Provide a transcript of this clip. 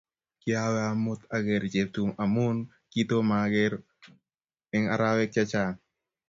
Kiawe amut ager Cheptum amun kitomaker eng' arawek chechang'.